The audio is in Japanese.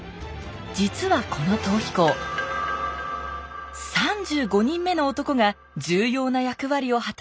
実はこの逃避行３５人目の男が重要な役割を果たしたと考えられています